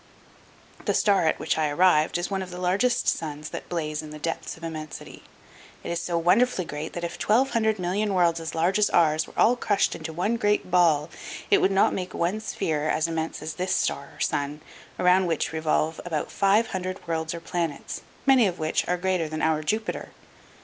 The star at which I arrived is one of the largest suns that blaze in the depths of immensity. It is so wonderfully great that if twelve hundred million worlds as large as ours were all crushed into one great ball, it would not make one sphere as immense as this star or sun, around which revolve about five hundred worlds or planets, many of which are greater than our Jupiter.